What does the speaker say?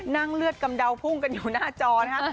นั่งเลือดกำเดาพุ่งกันอยู่หน้าจอนะคะ